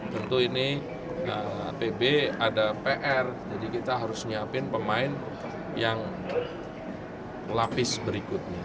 tentu ini pb ada pr jadi kita harus nyiapin pemain yang lapis berikutnya